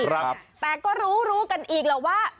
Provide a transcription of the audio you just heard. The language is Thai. แต่ก็รู้รู้กันอีกแล้วว่า